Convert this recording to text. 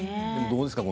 どうですか？